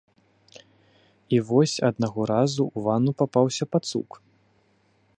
І вось аднаго разу ў ванну папаўся пацук.